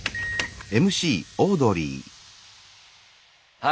はい。